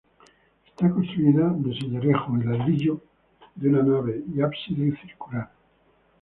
Está construida de sillarejo y ladrillo, de una nave y ábside circular.